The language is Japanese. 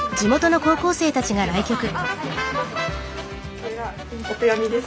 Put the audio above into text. これはお手紙です。